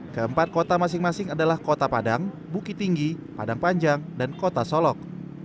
keempat kota masing masing adalah kota padang bukit tinggi padang panjang dan kota solok